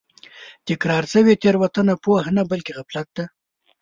تکرار شوې تېروتنه پوهه نه بلکې غفلت دی.